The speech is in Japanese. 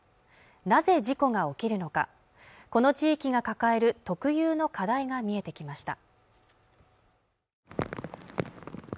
なぜ事故が起きるのかこの地域が抱える特有の課題が見えてきました